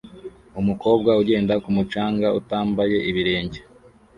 Umukobwa ugenda ku mucanga utambaye ibirenge